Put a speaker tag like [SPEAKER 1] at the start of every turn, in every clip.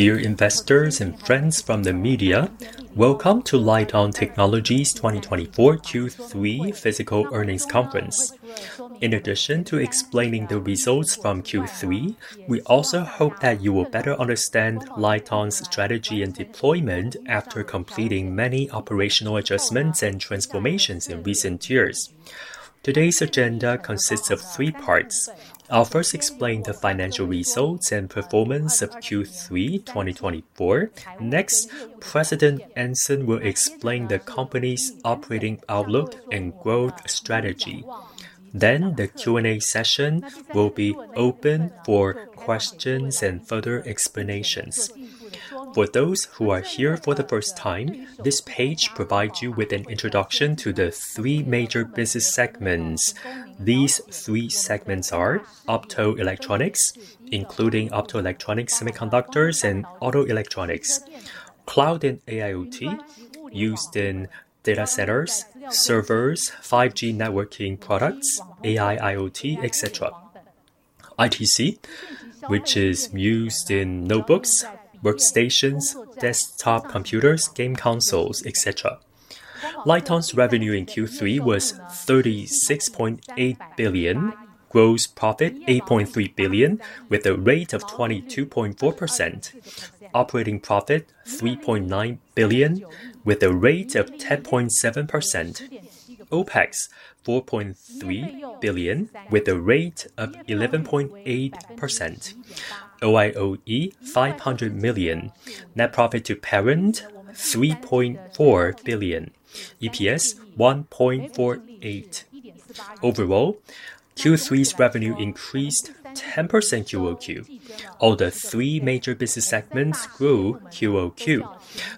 [SPEAKER 1] Dear investors and friends from the media, welcome to LITEON Technology 2024 Q3 Fiscal Earnings Conference. In addition to explaining the results from Q3, we also hope that you will better understand LITEON's strategy and deployment. After completing many operational adjustments and transformations in recent years, today's agenda consists of three parts. I'll first explain the financial results and performance of Q3 2024. Next, President Anson will explain the company's operating outlook and growth strategy. Then the Q and A session will be open for questions and further explanations. For those who are here for the first time, this page provides you with an introduction to the three major business segments. These three segments are optoelectronics, including semiconductors and auto electronics, Cloud and AIoT used in data centers, servers, 5G networking products, AI, IoT, etc. ITC, which is used in notebooks, workstations, desktop computers, game consoles, etc. LITEON's revenue in Q3 was 36.8 billion. Gross profit 8.3 billion with a rate of 22.4%. Operating profit 3.9 billion with a rate of 10.7%. OpEx 4.3 billion with a rate of 11.8%. OIO 500 million. Net profit to parent 3.4 billion. EPS 1.48. Overall Q3's revenue increased 10% QoQ. All the three major business segments grew QoQ.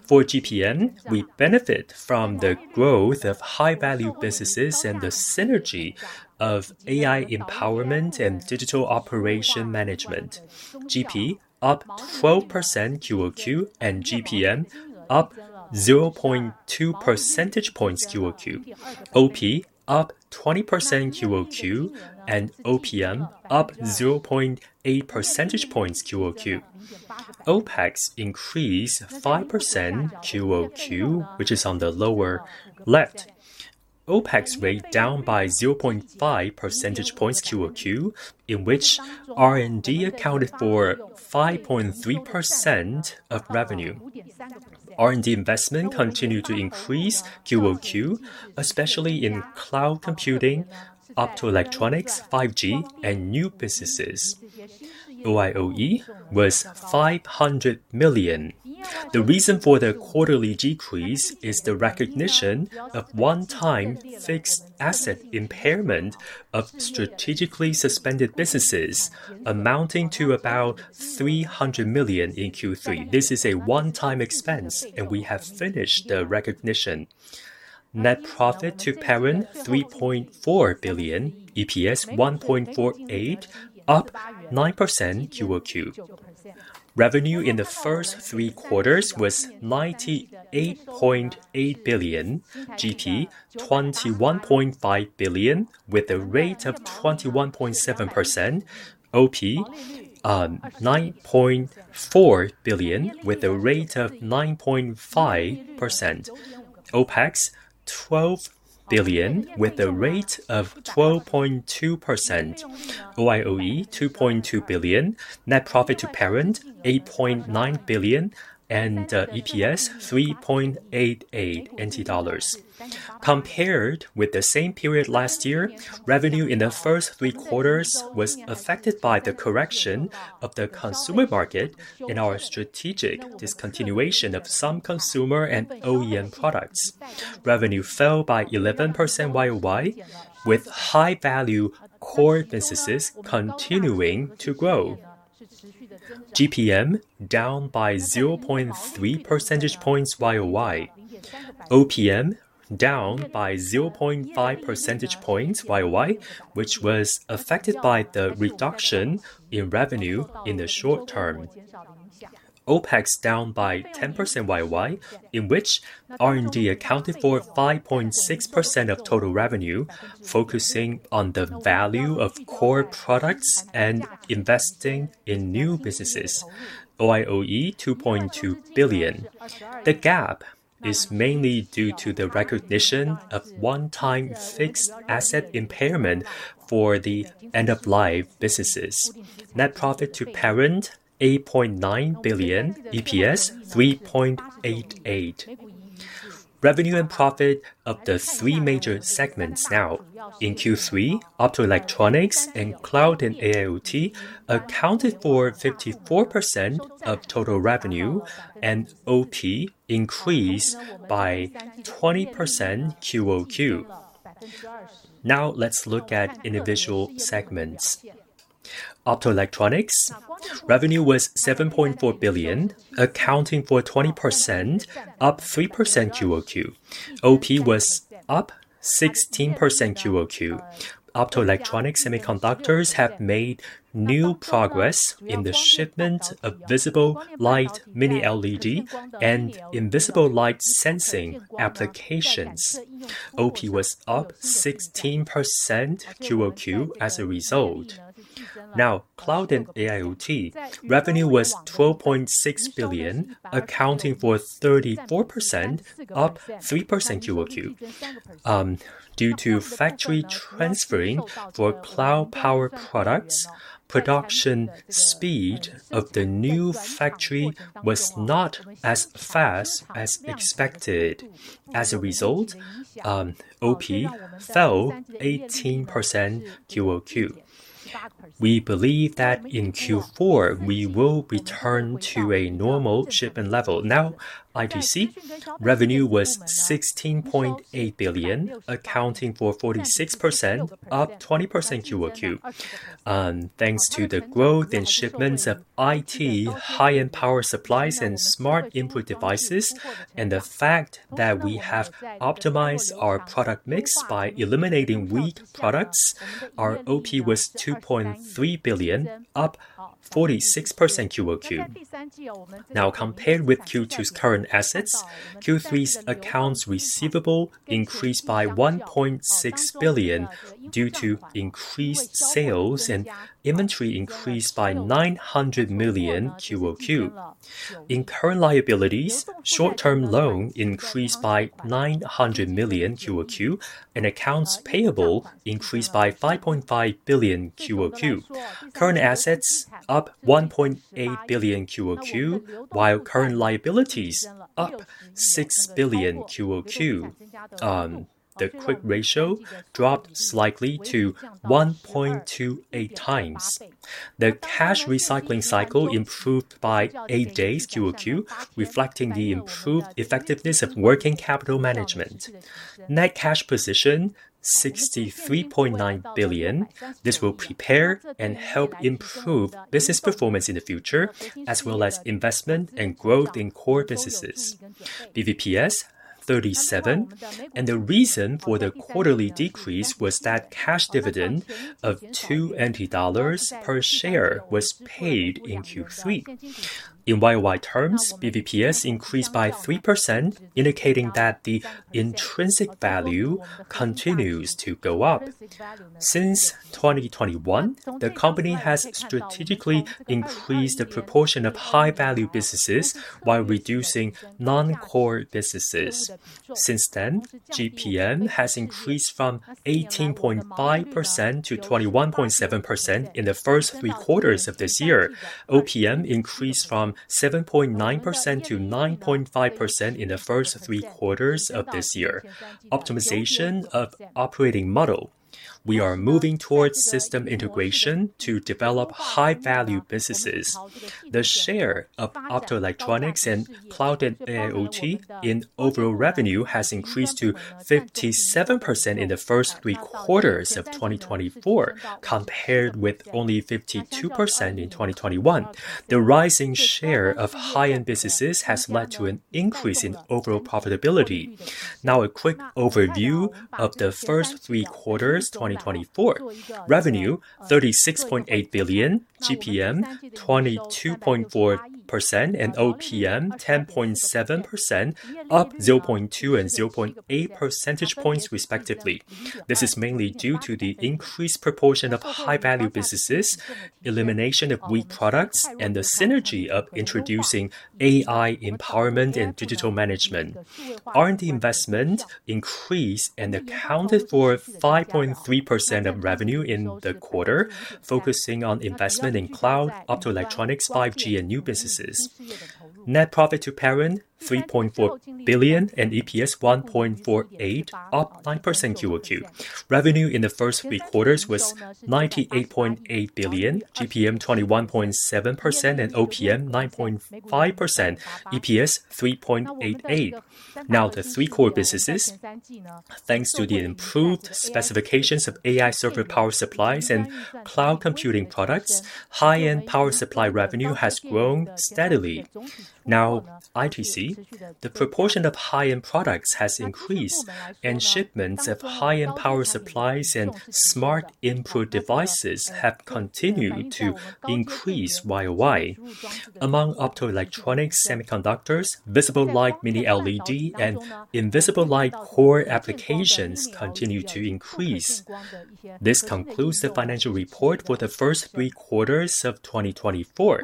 [SPEAKER 1] For GPM we benefited from the growth of high value businesses and the synergy of AI empowerment and digital operation management. GP up 12% QoQ and GPM up 0.2 percentage points QoQ. OP up 20% QoQ and OPM up 0.8 percentage points QoQ. OpEx increased 5% QoQ, which is on the lower left. OpEx rate down by 0.5 percentage points QoQ in which R&D accounted for 5.3% of revenue. R&D investment continue to increase QoQ, especially in cloud computing, optoelectronics, 5G and new businesses. OIO was 500 million. The reason for the quarterly decrease is the recognition of one-time fixed-asset impairment of strategically suspended businesses amounting to about 300 million in Q3. This is a one-time expense and we have finished the recognition. Net profit to parent 3.4 billion, EPS 1.48, up 9%. QoQ, revenue in the first three quarters was 98.8 billion, GP 21.5 billion with a rate of 21.7%, 9.4 billion with a rate of 9.5%, OpEx 12 billion with a rate of 12.2%, 2.2 billion. Net profit to parent 8.9 billion and EPS 3.88 NT dollars compared with the same period last year. Revenue in the first three quarters was affected by the correction of the consumer market and our strategic discontinuation of some consumer and OEM products. Revenue fell by 11% with high-value core businesses continuing to grow. GPM down by 0.3 percentage points. YoY, OPM down by 0.5 percentage points. YoY, which was affected by the reduction in revenue in the short term. OpEx down by 10% YoY, in which R&D accounted for 5.6% of total revenue, focusing on the value of core products and investing in new businesses. OIO 2.2 billion; the gap is mainly due to the recognition of one-time fixed asset impairment for the end-of-life businesses. Net profit to parent 8.9 billion, EPS 3.88. Revenue and profit of the three major segments. Now in Q3, Optoelectronics and Cloud and AIoT accounted for 54% of total revenue, and OP increased by 20% QoQ. Now let's look at individual segments. Optoelectronics revenue was 7.4 billion, accounting for 20%, up 3% QoQ. OP was up 16% QoQ. Optoelectronic semiconductors have made new progress in the shipment of visible light, Mini LED, and invisible light sensing applications. OP was up 16% QoQ as a result. Now, cloud and AIoT revenue was 12.6 billion, accounting for 34%, 3% QoQ, due to factory transferring for cloud power products. Production speed of the new factory was not as fast as expected. As a result, OP fell 18% QoQ. We believe that in Q4 we will return to a normal shipment level now. ITC revenue was 16.8 billion, accounting for 46%, up 20% QoQ, thanks to the growth in shipments of its high-end power supplies and smart input devices, and the fact that we have optimized our product mix by eliminating weak products. Our OP was 2.3 billion, up 46% QoQ. Now, compared with Q2's current assets, Q3's accounts receivable increased by 1.6 billion due to increased sales, and inventory increased by 900 million QoQ. In current liabilities, short-term loan increased by 900 million QoQ, and accounts payable increased by 5.5 billion. QoQ, current assets up 1.8 billion QoQ. While current liabilities up 6 billion QoQ, the quick ratio dropped slightly to 1.28 times. The cash recycling cycle improved by eight days QoQ, reflecting the improved effectiveness of working capital management. Net cash position 63.9 billion. This will prepare and help improve business performance in the future as well as investment and growth in core businesses. BVPS 37, and the reason for the quarterly decrease was that cash dividend of 2 dollars per share was paid in Q3. In YoY terms, BVPS increased by 3% indicating that the intrinsic value continues to go up. Since 2021, the company has strategically increased the proportion of high value businesses while reducing non-core businesses. Since then, GPM has increased from 18.5% to 21.7% in the first three quarters of this year. OPM increased from 7.9% to 9.5% in the first three quarters of this optimization of operating model. We are moving towards system integration to develop high value businesses. The share of optoelectronics and cloud IoT in overall revenue has increased to 57% in the first three quarters of 2024 compared with only 52% in 2021. The rising share of high end businesses has led to an increase in overall profitability. Now a quick overview. First 3/4 2024 Revenue 36.8 billion GPM 22.4% and OPM 10.7% up 0.2 and 0.8 percentage points respectively. This is mainly due to the increased proportion of high value businesses, elimination of weak products and the synergy of introducing AI empowerment and digital management. R&D investment increased and accounted for 5.3% of revenue in the quarter, focusing on investment in cloud, optoelectronics, 5G and new businesses. Net profit to parent 3.4 billion and EPS 1.48, up 9%. QoQ revenue in the first three quarters was 98.8 billion, GPM 21.7%, and OPM 9.5%, EPS 3.88. Now the three core businesses, thanks to the improved specifications of AI server power supplies and cloud computing products, high-end power supply revenue has grown steadily. Now ITC, the proportion of high-end products has increased, and shipments of high-end power supplies and smart input devices have continued to increase worldwide. Among optoelectronics, semiconductors, visible light, mini LED, and invisible light core applications continue to increase. This concludes the financial report for the first three quarters of 2024.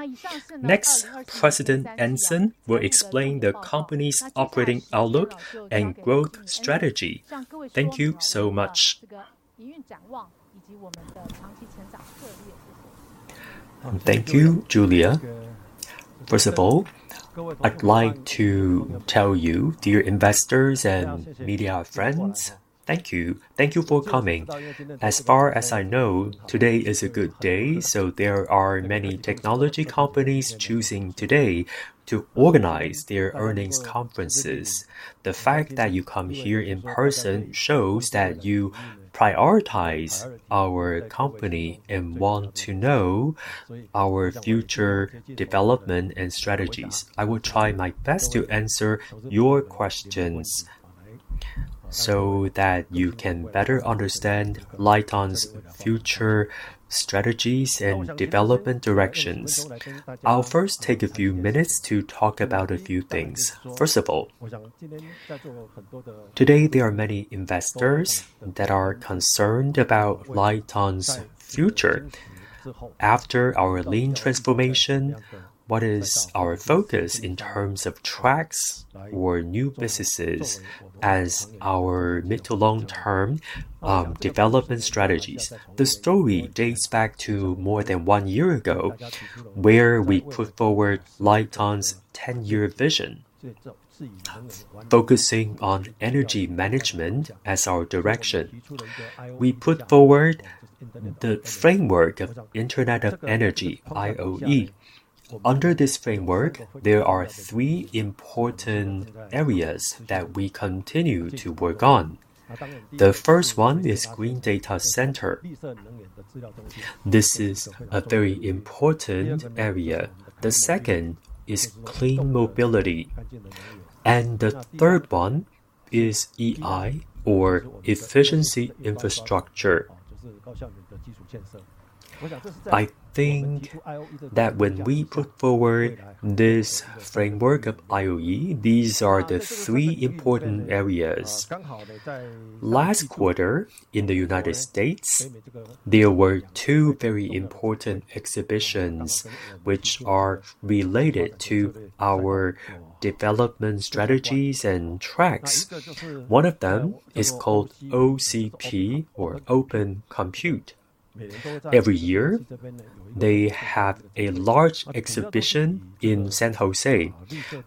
[SPEAKER 1] Next, President Anson will explain the company's operating outlook and growth strategy. Thank you so much.
[SPEAKER 2] Thank you, Julia. First of all, I'd like to tell you, dear investors and media friends, thank you. Thank you for coming. As far as I know, today is a good day, so there are many technology companies choosing today to organize their earnings conferences. The fact that you come here in person shows that you prioritize our company and want to know our future development and strategies. I will try my best to answer your questions so that you can better understand LITEON's future strategies and development directions. I'll first take a few minutes to talk about a few things. First of all, today there are many investors that are concerned about LITEON's future. After our lean transformation, what is our focus in terms of tracks or new businesses as our mid to long term development strategies? The story dates back to more than one year ago where we put forward LITEON's 10-year vision focusing on energy management. As our direction, we put forward the framework of Internet of Energy. Under this framework, there are three important areas that we continue to work on. The first one is Green Data Center. This is a very important area. The second is Clean Mobility and the third one is EI or Efficienct Infrastructure. I think that when we put forward this framework of IoE, these are the three infrastructure important areas. Last quarter in the United States there were two very important exhibitions which are related to our development strategies and tracks. One of them is called OCP or Open Compute. Every year they have a large exhibition in San Jose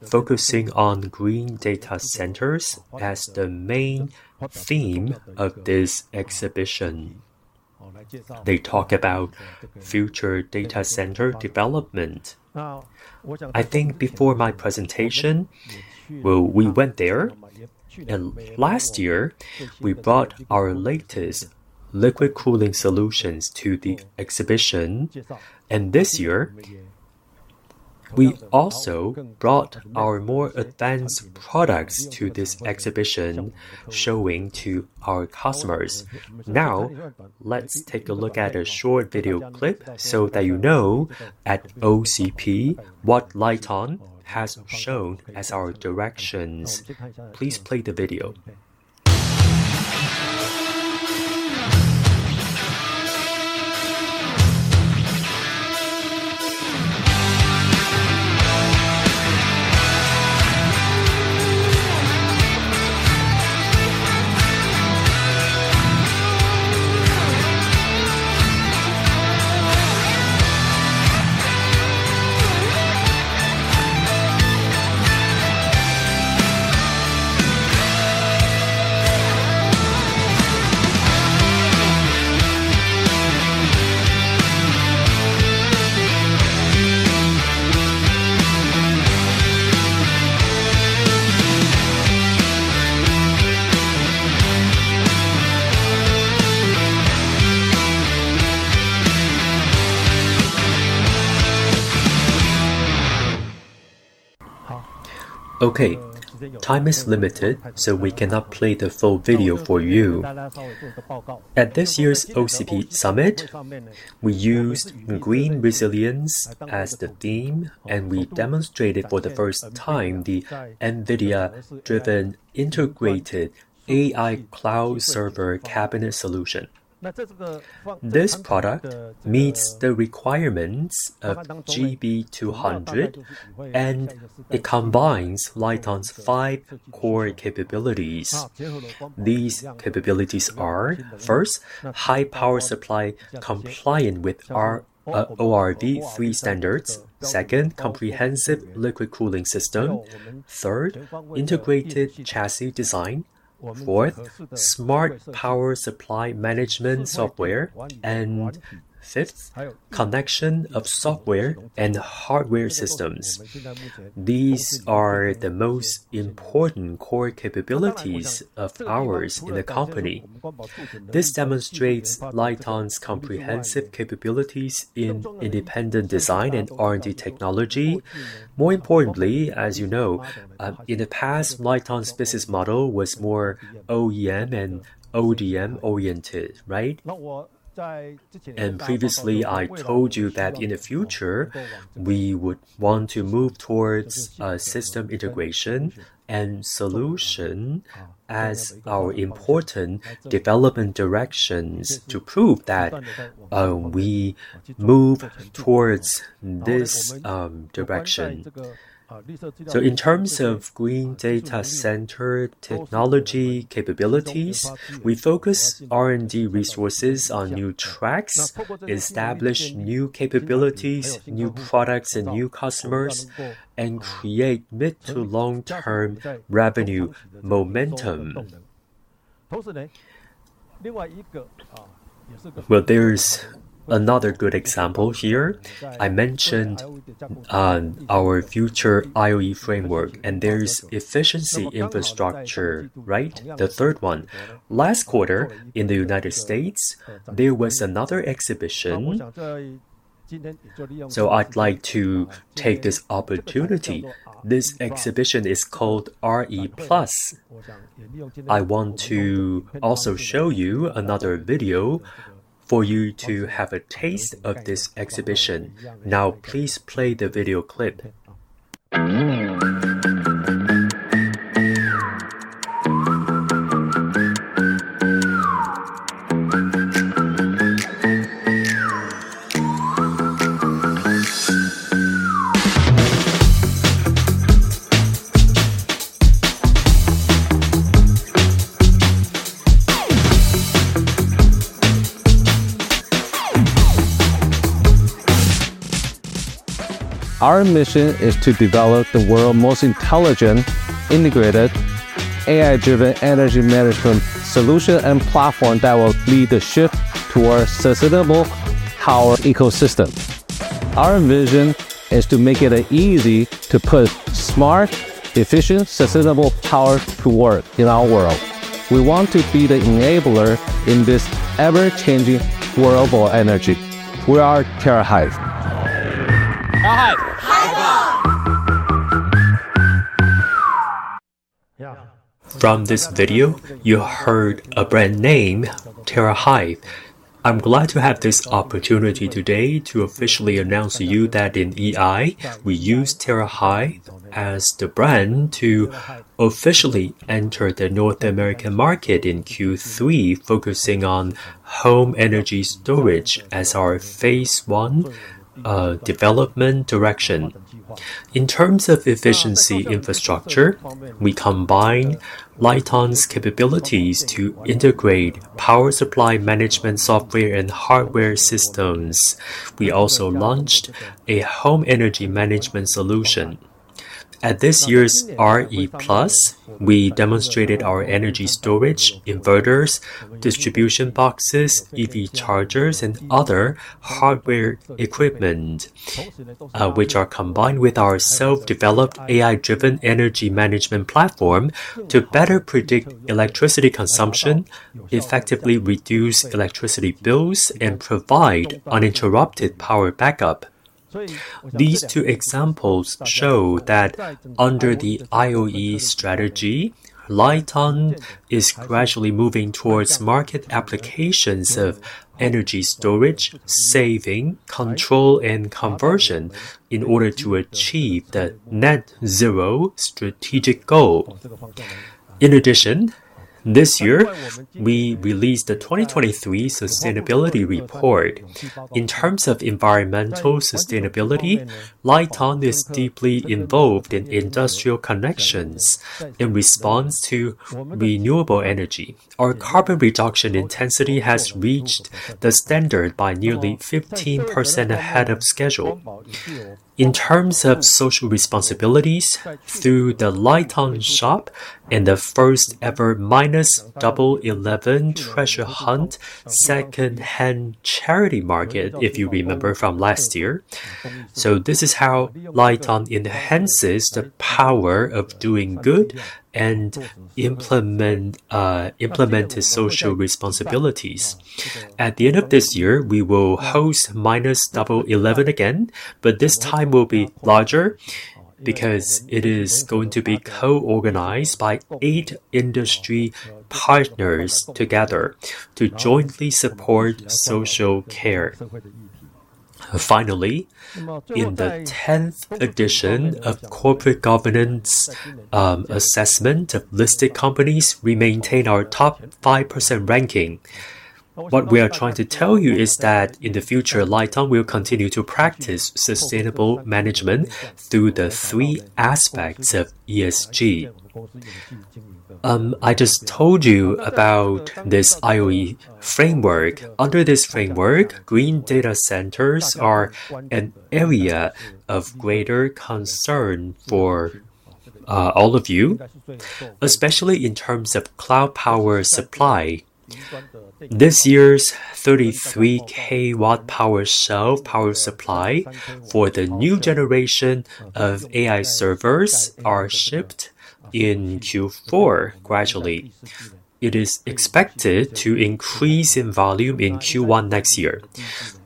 [SPEAKER 2] focusing on Green Data Centers. As the main theme of this exhibition they talk about future data center development. I think before my presentation we went there and last year we brought our latest liquid cooling solutions to the exhibition and this year we also brought our more advanced products to this exhibition showing to our customers. Now let's take a look at a short video clip so that you know at OCP what LITEON has shown as our directions. Please play the video. Sam. Okay, time is limited so we cannot play the full video for you. At this year's OCP Summit we used Green Resilience as the theme and we demonstrated for the first time the NVIDIA driven Integrated AI Cloud Server Cabinet solution. This product meets the requirements of GB200 and it combines LITEON's five core capabilities. These capabilities are first, high power supply compliant with ORV3 standards, second, comprehensive liquid cooling system, third, integrated chassis design, fourth, smart power supply management software, and fifth, connection of software and hardware systems. These are the most important core capabilities of ours in the company. This demonstrates LITEON's comprehensive capabilities in independent design and R and D technology. More importantly, as you know, in the past LITEON's business model was more OEM and ODM oriented, right? And previously I told you that in the future we would want to move towards system integration and solution as our important development directions to prove that we move towards this direction. So in terms of green data center technology capabilities, we focus R and D resources on new tracks, establish new capabilities, new products and new customers, and create mid- to long-term revenue momentum. There's another good example here. I mentioned our future IoE framework and there's efficiency infrastructure, right? The third one last quarter in the United States there was another exhibition, so I'd like to take this opportunity. This exhibition is called RE+. I want to also show you another video for you to have a taste of this exhibition now. Please play the video clip. Our mission is to develop the world's most intelligent integrated AI driven energy management solution and platform that will lead the shift towards sustainable power ecosystem. Our vision is to make it easy to put smart, efficient, sustainable power to work in our world. We want to be the enabler in this ever changing world of energy. We are LITEON. From this video you heard a brand name TerraHive. I'm glad to have this opportunity today to officially announce to you that in IoE we use TerraHive as the brand to officially enter the North American market in Q3 focusing on home energy storage as our phase one development direction. In terms of efficiency infrastructure, we combine LITEON's capabilities to integrate power supply management software and hardware systems. We also launched a home energy management solution at this year's RE+. We demonstrated our energy storage inverters, distribution boxes, EV chargers and other hardware equipment which are combined with our self-developed AI-driven energy management platform to better predict electricity consumption, effectively reduce electricity bills and provide uninterrupted power backups. These two examples show that under the IoE strategy, LITEON is gradually moving towards market applications of energy storage, saving control and conversion in order to achieve the net zero strategic goal. In addition, this year we released the 2023 Sustainability Report. In terms of environmental sustainability is deeply involved in industrial connections in response to renewable energy. Our carbon reduction intensity has reached the standard by nearly 15% ahead of schedule. In terms of social responsibilities through the LITEON shop and the first ever Double 11 Treasure Hunt secondhand charity market if you remember from last year. So this is how LITEON enhances the power of doing good and implemented social responsibilities. At the end of this year we will host Double 11 again but this time will be larger because it is going to be co-organized by eight industry partners together to jointly support social care. Finally, in the 10th edition of Corporate Governance Assessment Investment of Listed Companies, we maintain our top 5% ranking. What we are trying to tell you is that in the future LITEON will continue to practice sustainable management through the three aspects of ESG. I just told you about this IoE framework. Under this framework, green data centers are an area of greater concern for all of you, especially in terms of cloud power supply. This year's 33 kW power supply for the new generation of AI servers are shipped in Q4 gradually. It is expected to increase in volume in Q1 next year.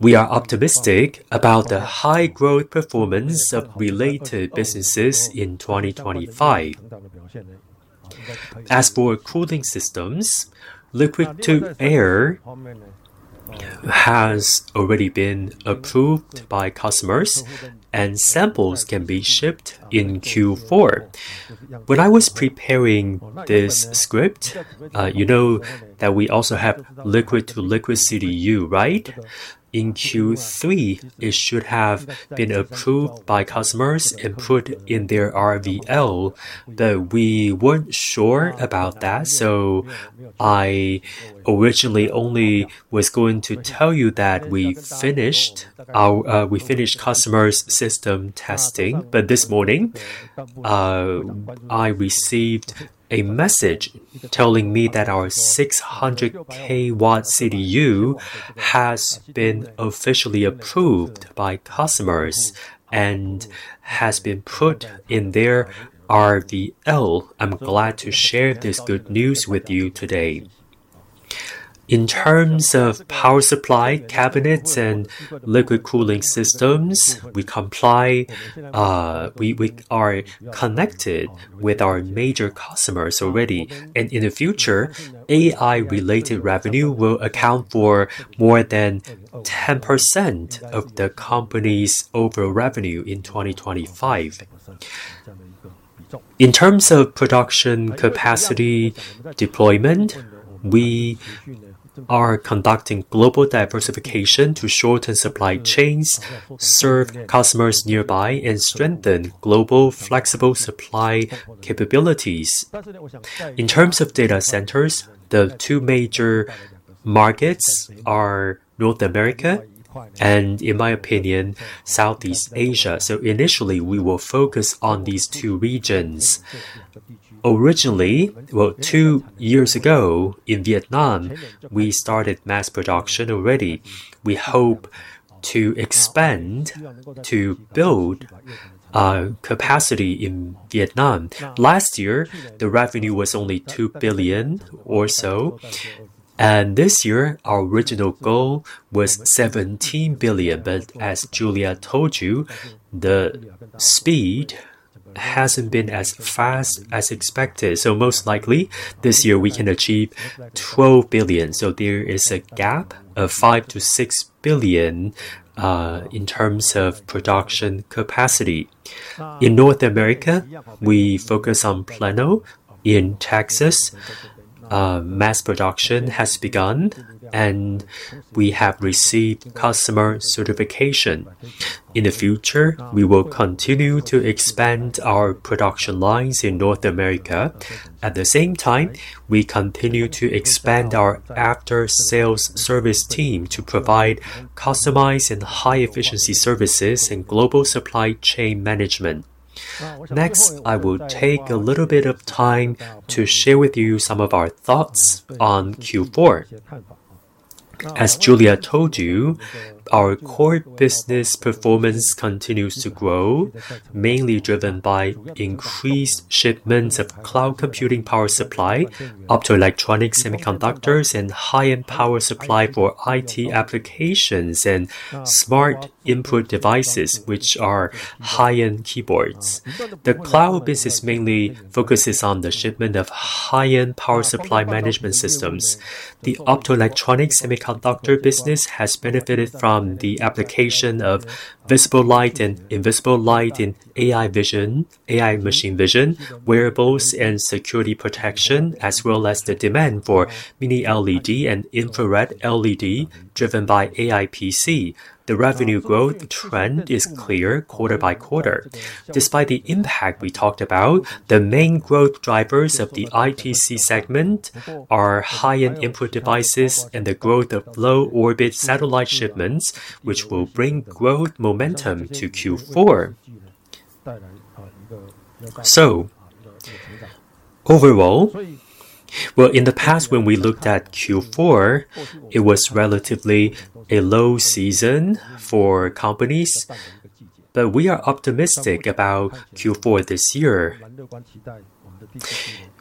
[SPEAKER 2] We are optimistic about the high growth performance of related businesses in 2025. As for cooling systems, liquid-to-air has already been approved by customers and samples can be shipped in Q4. When I was preparing this script, you know that we also have liquid to liquid CDU, right? In Q3 it should have been approved by customers and put in their RVL but we weren't sure about that. So I originally only was going to tell you that we finished our customers system testing but this morning I received a message telling me that our 600 kW CDU has been officially approved by customers and has been put in their RVL. I'm glad to share this good news with you today. In terms of power supply cabinets and liquid cooling systems, we comply. We are connected with our major customers already and in the future AI related revenue will account for more than 10% of the company's overall revenue in 2025. In terms of production capacity deployment, we are conducting global diversification to shorten supply chains, serve customers nearby and strengthen global flexible supply capabilities. In terms of data centers, the two major markets are North America and, in my opinion, Southeast Asia, so initially we will focus on these two regions. Originally, well, two years ago in Vietnam we started mass production already, we hope to expand to build capacity in Vietnam. Last year the revenue was only 2 billion or so and this year our original goal was 17 billion, but as Julia told you, the speed hasn't been as fast as expected, so most likely this year we can achieve 12 billion, so there is a gap of 5-6 billion. In terms of production capacity in North America we focus on Plano, Texas. Mass production has begun and we have received customer certification. In the future we will continue to expand our production lines in North America. At the same time we continue to expand our after sales service team to provide customized and high efficiency services in global supply chain management. Next, I will take a little bit of time to share with you some of our thoughts on Q4. As Julia told you, our core business performance continues to grow mainly driven by increased shipments of cloud computing power supply, optoelectronic semiconductors and high end power supply for IT applications and smart input devices which are high end keyboards. The cloud business mainly focuses on the shipment of high end power supply management systems. The optoelectronics semiconductor business has benefited from the application of visible light and invisible light in AI vision, AI machine vision wearables and security protection as well as the demand for Mini LED and infrared LED driven by AI PC. The revenue growth trend is clear quarter by quarter. Despite the impact we talked about, the main growth drivers of the ITC segment are high-end input devices and the growth of low orbit satellite shipments which bring growth momentum to Q4. So, overall, well, in the past when we looked at Q4, it was relatively a low season for companies, but we are optimistic about Q4 this year.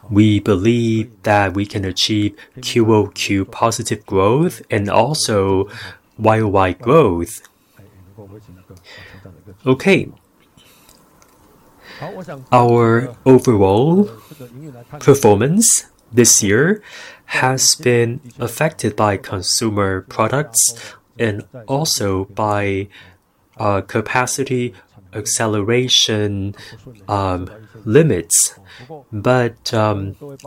[SPEAKER 2] We believe that we can achieve QoQ positive growth and also YoY growth. Okay. Our overall performance this year has been affected by consumer products and also by capacity acceleration limits. But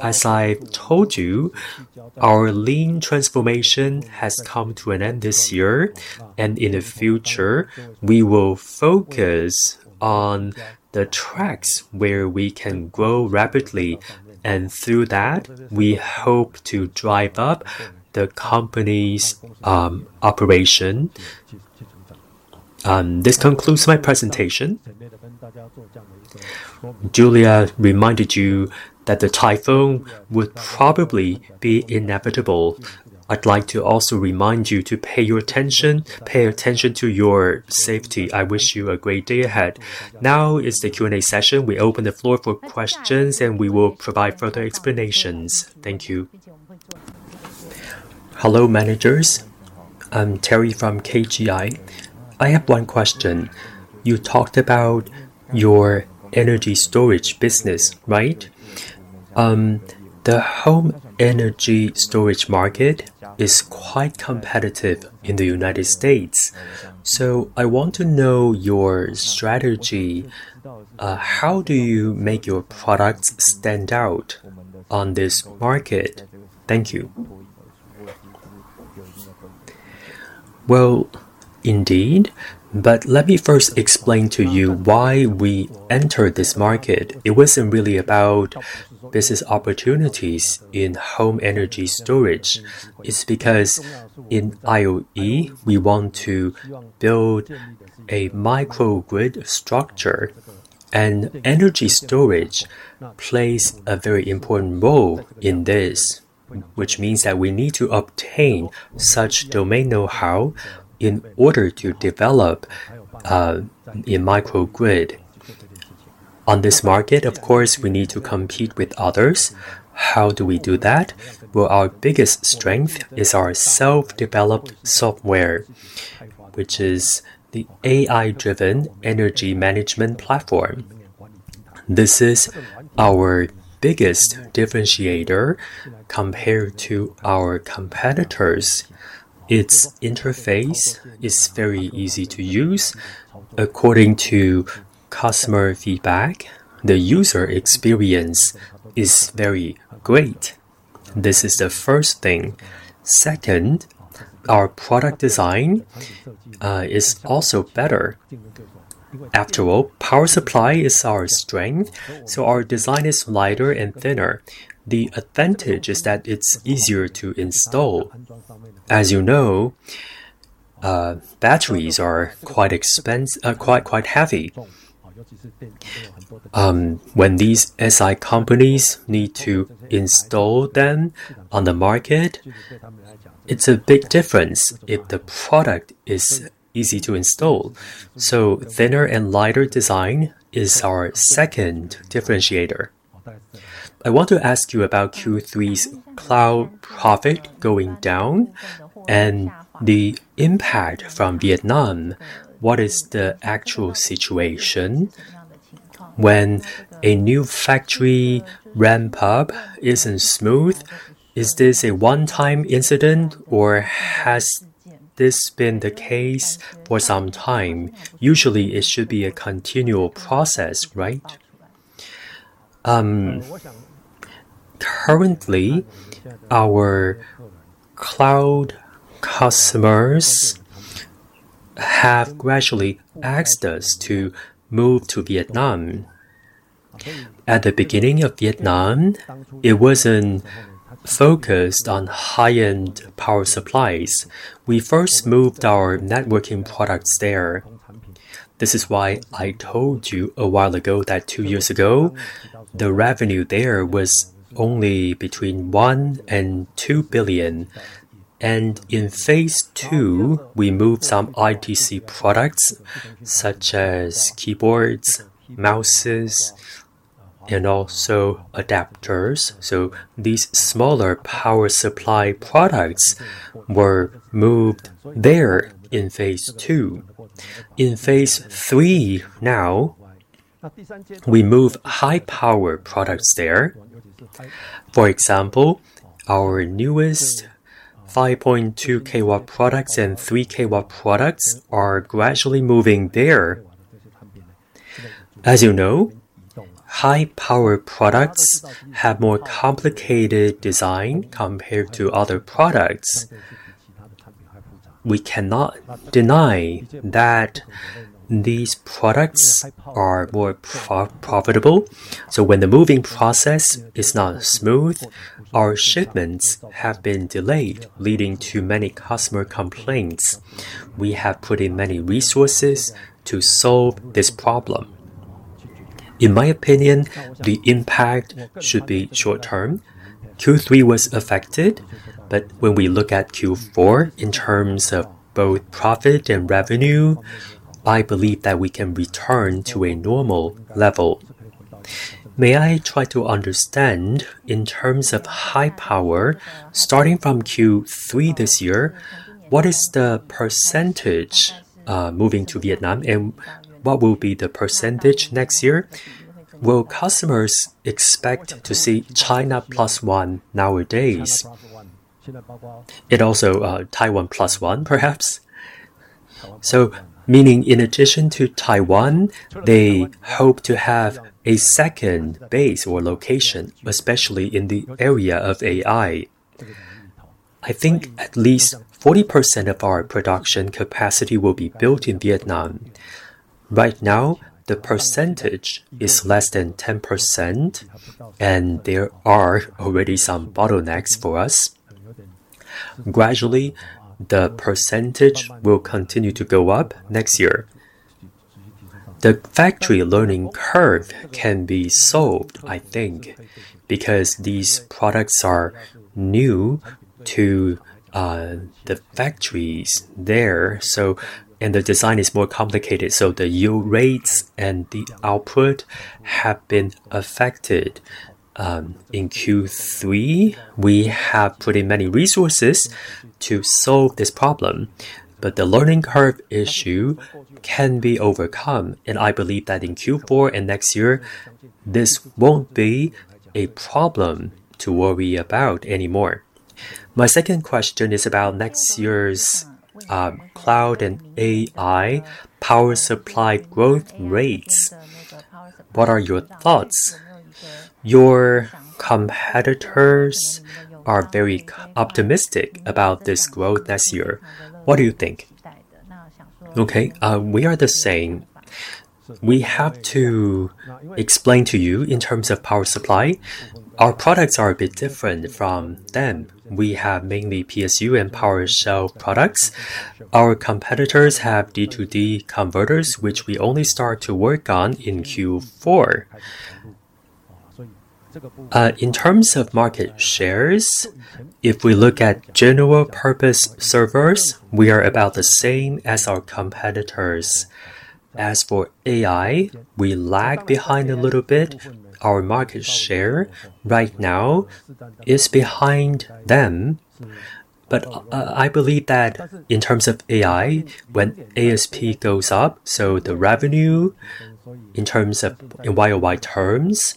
[SPEAKER 2] as I told you, our lean transformation has come to an end this year and in the future we will focus on the tracks where we can grow rapidly and through that we hope to drive up the company's operation. This concludes my presentation. Julia reminded you that the typhoon would probably be inevitable. I'd like to also remind you to pay attention to your safety. I wish you a great day ahead. Now is the Q&A session. We open the floor for questions and we will provide further explanations. Thank you. Hello managers, I'm Terry from KGI. I have one question. You talked about your energy storage business, right? The home energy storage market is quite competitive in the United States. So I want to know your strategy. How do you make your products stand out on this market? Thank you. Indeed. But let me first explain to you why we entered this market. It wasn't really about business opportunities in home energy storage. It's because in IoE we want to build a micro grid structure and energy storage plays a very important role in this. Which means that we need to obtain such domain know-how in order to develop in micro grid on this market. Of course we need to compete with others. How do we do that? Our biggest strength is our self-developed software which is the AI-driven energy management platform. This is our biggest differentiator compared to our competitors. Its interface is very easy to use according to customer feedback. The user experience is very great. This is the first thing. Second, our product design is also better. After all, power supply is our strength. So our design is lighter and thinner. The advantage is that it's easier to install. As you know, batteries are quite expensive, quite quite heavy. When these SI companies need to install them on the market, it's a big difference if the product is easy to install. So thinner and lighter design is our second differentiator. I want to ask you about Q3 cloud profit going down and the impact from Vietnam. What is the actual situation when a new factory ramp up isn't smooth? Is this a one-time incident or has this been the case for some time? Usually it should be a continual process, right? Currently, our cloud customers have gradually asked us to move to Vietnam. At the beginning of Vietnam, it wasn't focused on high-end power supplies. We first moved our networking products there. This is why I told you a while ago that two years ago, the revenue there was only between 1 billion and 2 billion. And in phase two, we moved some ITC products such as keyboards, mice and also adapters. So these smaller power supply products were moved there in phase two. In phase three, now we move high power products there. For example, our newest 5.2 kW products and 3 kW products are gradually moving there. As you know, high power products have more complicated design compared to other products. We cannot deny that these products are more profitable. So when the moving process is not smooth, our shipments have been delayed leading to many customer complaints. We have put in many resources to solve this problem. In my opinion, the impact should be short term. Q3 was affected. But when we look at Q4 in terms of both profit and revenue, I believe that we can return to a normal level. May I try to understand? In terms of high power, starting from Q3 this year, what is the percentage moving to Vietnam and what will be the percentage next year? Will customers expect to see China plus one? Nowadays it also Taiwan plus one? Perhaps so. Meaning in addition to Taiwan, they hope to have a second base or location, especially in the area of AI. I think at least 40% of our production capacity will be built in Vietnam. But right now the percentage is less than 10% and there are already some bottlenecks for us. Gradually the percentage will continue to go up. Next year the factory learning curve can be solved. I think because these products are new to the factories there. So. The design is more complicated. So the yield rates and the output have been affected in Q3. We have pretty many resources to solve this problem. But the learning curve issue can be overcome. And I believe that in Q4 and next year this won't be a problem to worry about anymore. My second question is about next year's cloud and AI power supply growth rates. What are your thoughts? Your competitors are very optimistic about this growth next year. What do you think? Okay, we are the same. We have to explain to you. In terms of power supply, our products are a bit different from them. We have mainly PSU and Power Shelf products. Our competitors have D2D converters which we only start to work on in Q4. In terms of market shares, if we look at general purpose servers, we are about the same as our competitors. As for AI, we lag behind a little bit. Our market share right now is behind them. But I believe that in terms of AI when ASP goes up, so the revenue in terms of YOY terms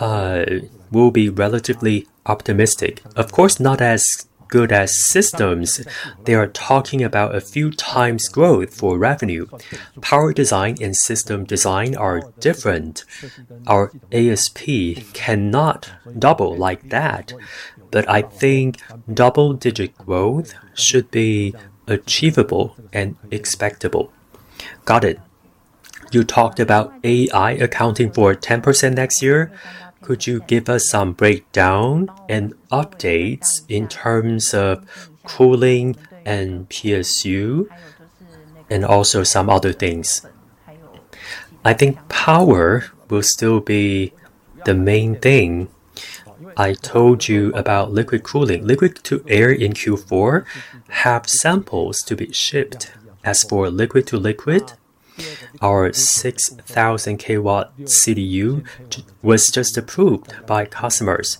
[SPEAKER 2] will be relatively optimistic. Of course, not as good as systems. They are talking about a few times growth for revenue. Power design and system design are different. Our ASP cannot double like that. But I think double-digit growth should be achievable and expectable. Got it. You talked about AI accounting for 10% next year. Could you give us some breakdown and updates in terms of cooling and PSU and also some other things. I think power will still be the main thing. I told you about liquid cooling, liquid-to-air in Q4. Have samples to be shipped. As for liquid-to-liquid, our 600 kW CDU was just approved by customers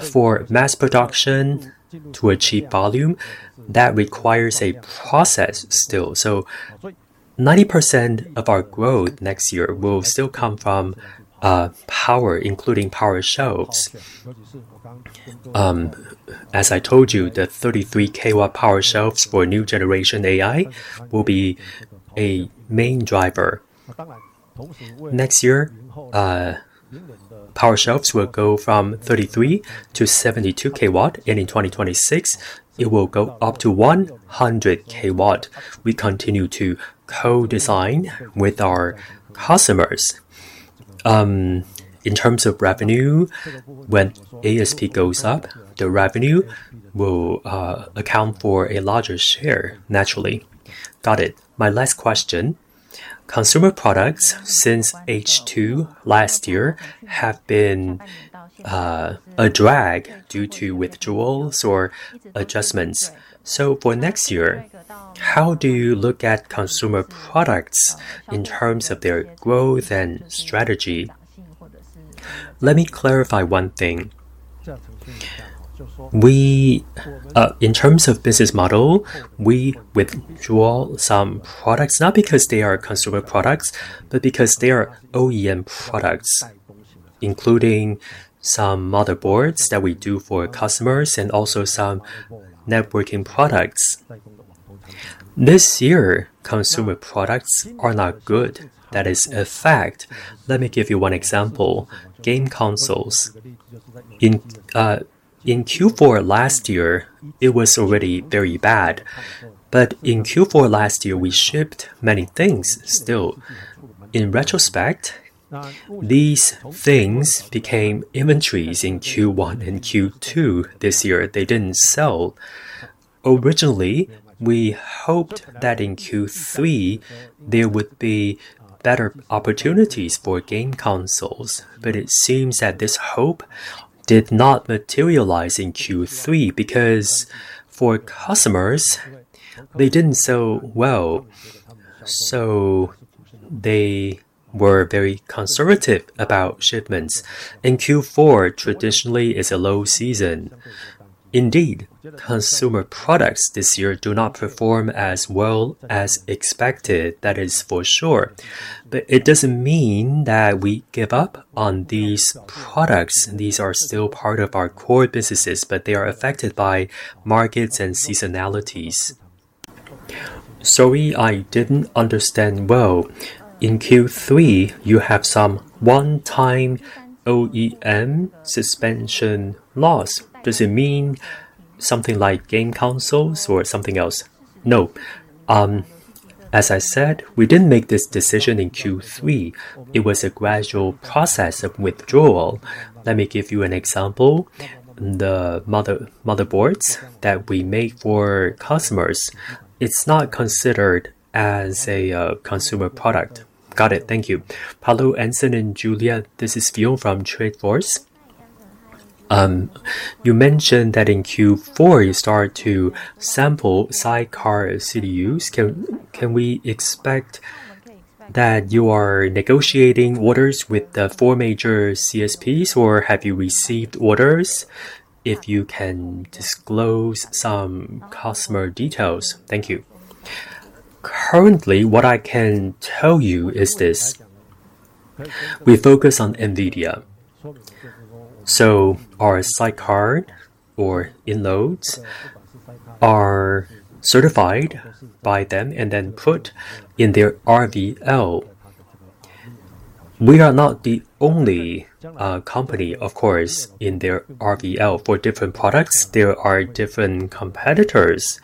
[SPEAKER 2] for mass production to achieve volume that requires a process still. So 90% of our growth next year will still come from power, including power shelves. As I told you, the 33 kW power shelves for new generation AI will be a main driver. Next year power shelves will go from 33 to 72 kW and in 2026 it will go up to 100 kW. We continue to co-design with our customers. In terms of revenue, when ASP goes up, the revenue will account for a larger share naturally. Got it. My last question. Consumer products since H2 last year have been a drag due to withdrawals or adjustments. So for next year, how do you look at consumer products in terms of their growth and strategy? Let me clarify one thing. In terms of business model, we withdraw some products not because they are consumer products, but because they are OEM products. Including some motherboards that we do for customers and also some networking products. This year consumer products are not good. That is a fact. Let me give you one example. Game consoles. In Q4 last year it was already very bad. But in Q4 last year we shipped many things. Things still in retrospect, these things became inventories. In Q1 and Q2 this year they didn't sell. Originally, we hoped that in Q3 there would be better opportunities for game consoles. But it seems that this hope did not materialize in Q3 because for customers they didn't sell well. So they were very conservative about shipments. In Q4 traditionally is a low season. Indeed, consumer products this year do not perform as well as expected. That is for sure. But it doesn't mean that we give up on these products. These are still part of our core businesses, but they are affected by markets and seasonality. Sorry, I didn't understand. Well, in Q3 you have some one-time OEM suspension loss. Does it mean something like game consoles or something else? No, as I said, we didn't make this decision in Q3. It was a gradual process of withdrawal. Let me give you an example. The motherboards that we make for customers, it's not considered as a consumer product. Got it. Thank you.
[SPEAKER 3] Hello, Anson and Julia, this is Fion from TrendForce. You mentioned that in Q4 you start to sample Sidecar CDUs. Can we expect that you are negotiating orders with the four major CSPs or have you received orders? If you can disclose some customer details. Thank you.
[SPEAKER 2] Currently, what I can tell you is this. We focus on NVIDIA. So our sidecar or in-racks are certified by them and then put in their RVL. We are not the only company, of course, in their RVL for different products, there are different competitors.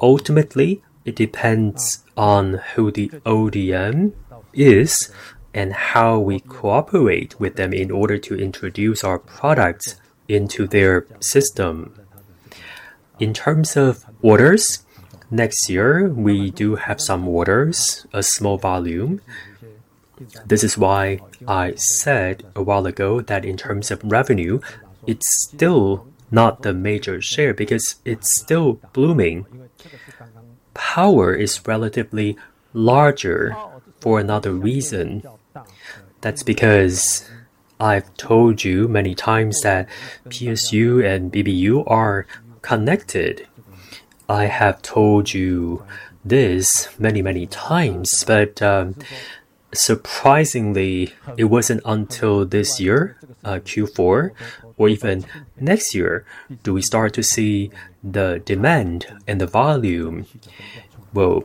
[SPEAKER 2] Ultimately, it depends on who the ODM is and how we cooperate with them in order to introduce our products into their system. In terms of orders next year, we do have some orders, a small volume. This is why I said a while ago that in terms of revenue, it's still not the major share because it's still blooming. Power is relatively larger for another reason. That's because I've told you many times that PSU and BBU are connected. I have told you this many, many times. But surprisingly it wasn't until this year Q4 or even next year do we start to see the demand and the volume. Well,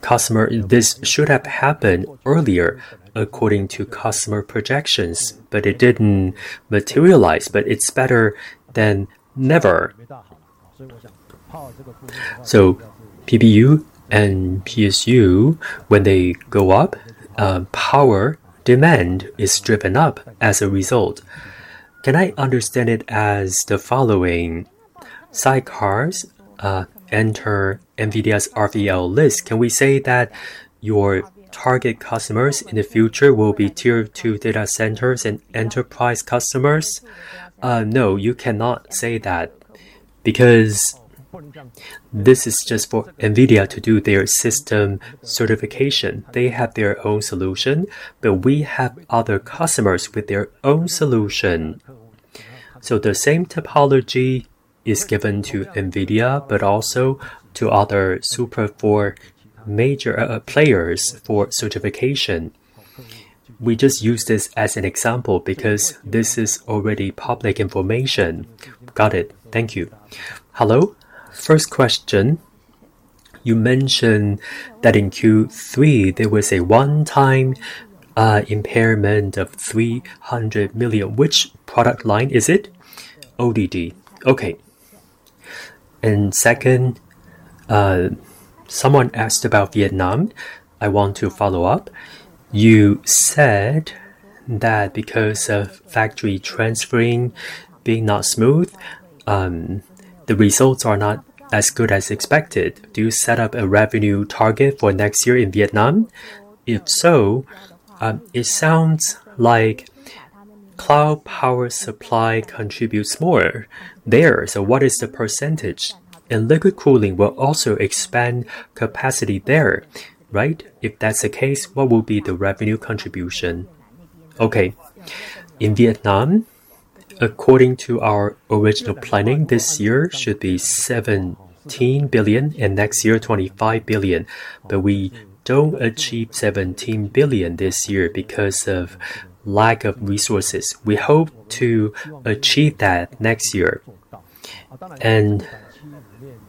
[SPEAKER 2] customer, this should have happened earlier according to customer projections, but it didn't materialize. But it's better than never. So BBU and PSU, when they go up, power demand is driven up as a result.
[SPEAKER 3] Can I understand it as the following: sidecars enter NVIDIA's RVL list. Can we say that your target customers in the future will be Tier 2 data centers and enterprise customers?
[SPEAKER 2] No, you cannot say that. Because this is just for NVIDIA to do their system certification. They have their own solution, but we have other customers with their own solution. So the same topology is given to NVIDIA, but also to other Super 4 major players for certification. We just use this as an example. Because this is already public information.
[SPEAKER 3] Got it. Thank you. Hello. First question. You mentioned that in Q3 there was a one-time impairment of 300 million. Which product line is it? ODD. Okay. And second, someone asked about Vietnam. I want to follow up. You said that because of factory transferring being not smooth, the results are not as good as expected. Do you set up a revenue target for next year in Vietnam? If so, it sounds like cloud power supply contributes more there. So what is the percentage? And liquid cooling will also expand capacity there, right? If that's the case, what will be the revenue contribution?
[SPEAKER 2] Okay. In Vietnam, according to our original planning, this year should be 17 billion and next year 25 billion. But we don't achieve 17 billion this year because of lack of resources. We hope to achieve that next year.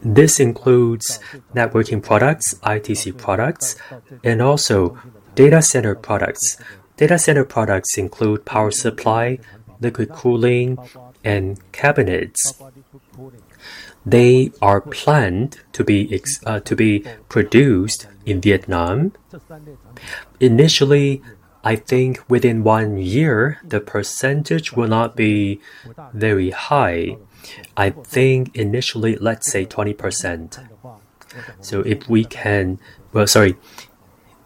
[SPEAKER 2] This includes networking products, ITC products and also data center products. Data center products include power supply, liquid cooling and cabinets. They are planned to be produced in Vietnam. Initially, I think within one year the percentage will not be very high. I think initially let's say 20%. Well, sorry.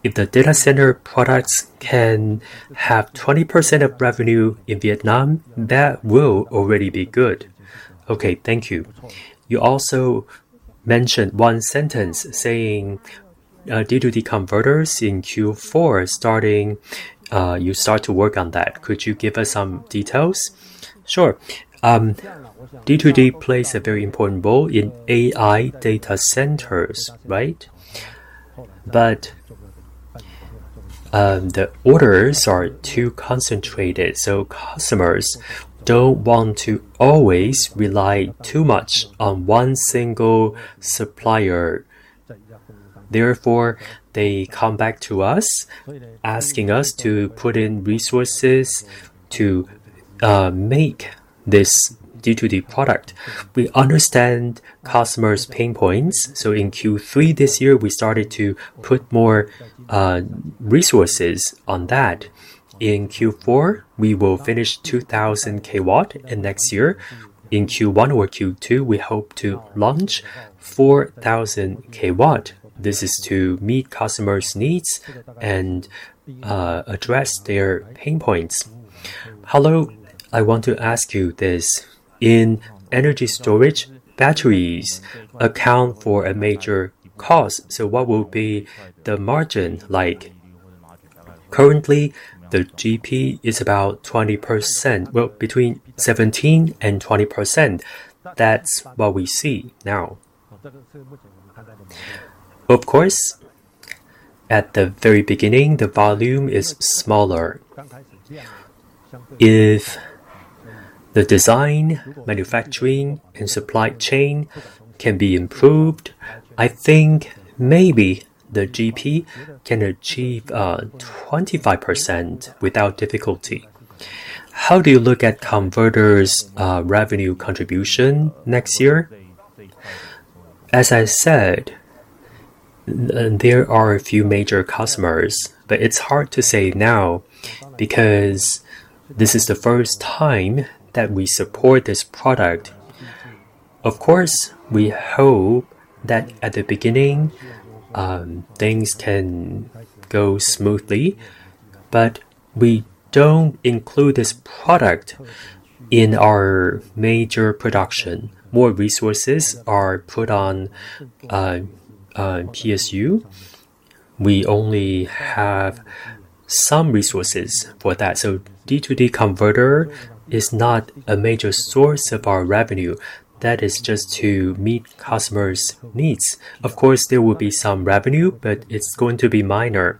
[SPEAKER 2] If the data center products can have 20% of revenue in Vietnam, that will already be good. Okay, thank you. You also mentioned one sentence saying due to the converters in Q4, starting you start to work on that. Could you give us some detail? Sure. D2D plays a very important role in AI data centers. Right? But the orders are too concentrated. So customers don't want to always rely too much on one single supplier. Therefore, they come back to us asking us to put in resources to make this D2D product. We understand customers' pain points. So in Q3 this year we started to put more resources into that. In Q4, we will finish 2000 kW. In next year. In Q1 or Q2, we hope to launch 4000 kW. This is to meet customers' needs and address their pain points. Hello. I want to ask you this. In energy storage, batteries account for a major cost. So what will be the margin like? Currently the GP is about 20%. Well, between 17 and 20%. That's what we see now, of course, at the very beginning the volume is smaller. If the design, manufacturing and supply chain can be improved, I think maybe the GP can achieve 25% without difficulty. How do you look at Converter's revenue contribution next year? As I said, there are a few major customers, but it's hard to say now because this is the first time that we support this product. Of course, we hope that at the beginning things can go smoothly, but we don't include this product in our major production. More resources are put on PSU. We only have some resources for that. So, D2D Converter is not a major source of our revenue. That is just to meet customer needs. Of course, there will be some revenue, but it's going to be minor.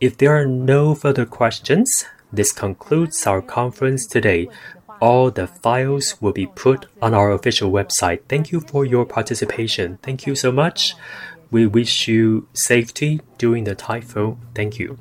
[SPEAKER 2] If there are no further questions, this concludes our conference today. All the files will be put on our official website. Thank you for your participation. Thank you so much. We wish you safety during the typhoon. Thank you.